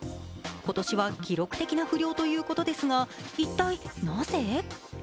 今年は記録的な不漁ということですが一体なぜ？